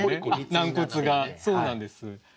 軟骨がそうなんです。